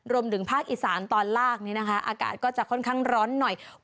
รวมถึงภาคอีสานตอนล่างนี้นะคะอากาศก็จะค่อนข้างร้อนหน่อย